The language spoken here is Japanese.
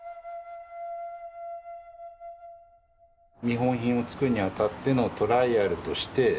見本品を作るにあたってのトライアルとして。